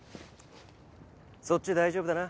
そっち大丈夫だな？